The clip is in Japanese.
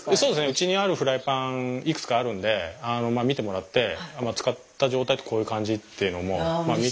うちにあるフライパンいくつかあるんで見てもらって使った状態ってこういう感じというのも見て頂ければ。